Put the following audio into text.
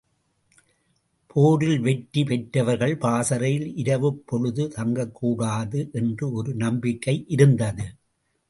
போரில் வெற்றி பெற்றவர்கள் பாசறையில் இரவுப் பொழுது தங்கக்கூடாது என்று ஒரு நம்பிக்கை இருந்தது.